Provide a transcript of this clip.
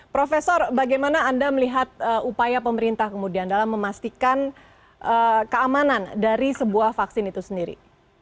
profesor bagaimana anda melihat upaya pemerintah kemudian dalam memastikan keamanan dari sebuah vaksin itu sendiri